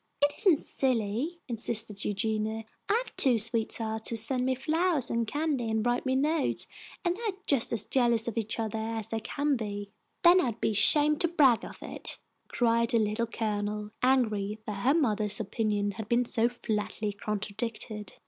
"It isn't silly!" insisted Eugenia. "I have two sweethearts who send me flowers and candy, and write me notes, and they are just as jealous of each other as they can be." "Then I'd be ashamed to brag of it," cried the Little Colonel, angry that her mother's opinion had been so flatly contradicted.